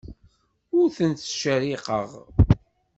Ur tent-ttcerriqeɣ.